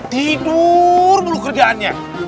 tidur bulu kerjaannya